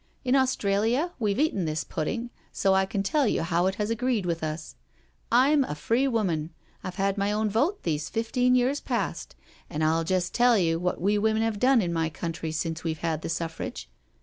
In Australia we've eaten this pudding, so I can tell you how it has agreed with us. I'm a free woman — I've had my own vote these fifteen years past, and I'll just tell you what we women have done in my country since we've had the Suffrage.